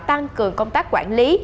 tăng cường công tác quản lý